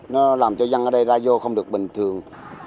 nó làm cho dân ở đây ra vô không được bình thường